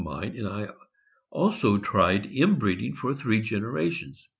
385 mine and I also tried inbreeding for three generations.